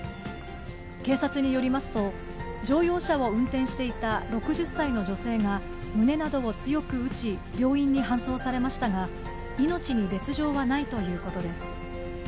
警察によりますと、乗用車を運転していた６０歳の女性が胸などを強く打ち、病院に搬送されましたが、命に別状はないということです。